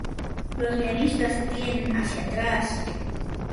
Los guionistas tienen hacia atrás.